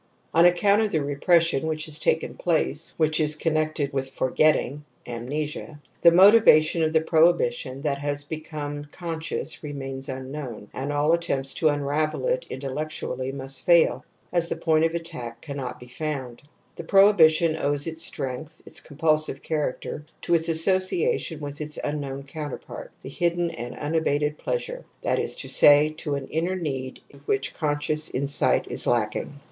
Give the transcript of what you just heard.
On account of the repression which has taken place, which is connected with forget ting (amnesia), the motivation of the prohibi tion that has become conscious remains un known, and all attempts to unravel it intellec tually must fail, as the point of attack cannot be found. The prohibition owes its strength — its ^ To use an ezoellent term ooined by Bleuler, THE AMBIVALENCE OF EMOTIONS 51 compulsive character — to its association with its unknown counterpart, the hidden and unabated pleasiire, that is to say, to an inner need into which conscious insight is lacking.